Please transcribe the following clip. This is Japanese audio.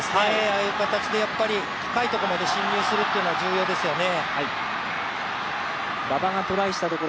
ああいう形で深いところまで進入するというのは重要ですよね。